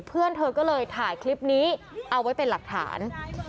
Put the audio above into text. เพื่อนเธอก็เลยถ่ายคลิปนี้เอาไว้เป็นหลักฐาน